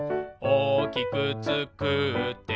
「おおきくつくって」